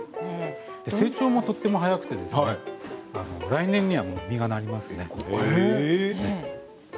成長も、とても早くて来年には実がなります。